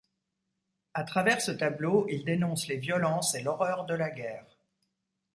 À travers ce tableau, il dénonce les violences et l'horreur de la guerre.